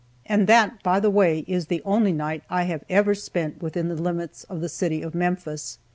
And that, by the way, is the only night I have ever spent within the limits of the city of Memphis.